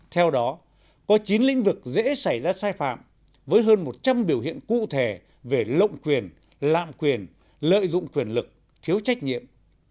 theo đó có chín lĩnh vực dễ xảy ra sai phạm với hơn một trăm linh biểu hiện cụ thể về lộng quyền lạm quyền lợi dụng quyền lực thiếu trách nhiệm